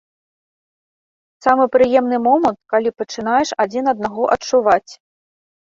Самы прыемны момант, калі пачынаеш адзін аднаго адчуваць.